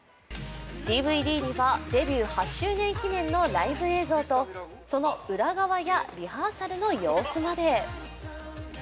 ＤＶＤにはデビュー８周年記念のライブ映像とその裏側やリハーサルの様子まで。